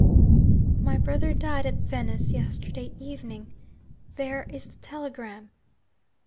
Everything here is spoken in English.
'My brother died at Venice yesterday evening. There is the telegram.'